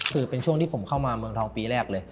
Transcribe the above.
คือเป็นช่วงที่ผมเข้ามาเมืองทองปีแรกเลย